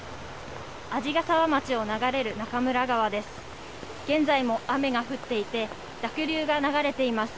鰺ヶ沢町を流れる中村川です。